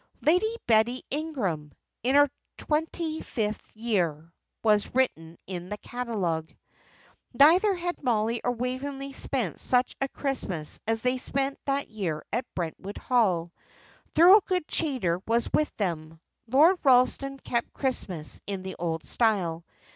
"Lady Betty Ingram, in her twenty fifth year" was written in the catalogue. Never had Mollie or Waveney spent such a Christmas as they spent that year at Brentwood Hall. Thorold Chaytor was with them. Lord Ralston kept Christmas in the old style.